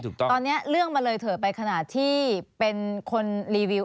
ตอนนี้เรื่องมันเลยเถิดไปขนาดที่เป็นคนรีวิว